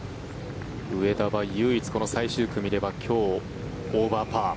上田は唯一この最終組では今日、オーバーパー。